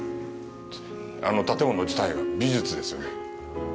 あの建物自体が美術ですよね。